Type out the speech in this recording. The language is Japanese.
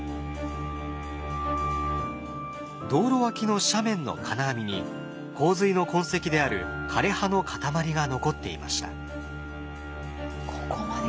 道路脇の斜面の金網に洪水の痕跡である枯れ葉の塊が残っていました。